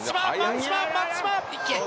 松島。